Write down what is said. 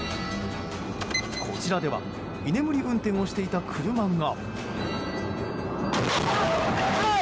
こちらでは居眠り運転をしていた車が。